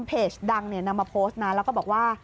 เพจดังเนี่ยนำมาโพสต์มาแล้วบอกว่า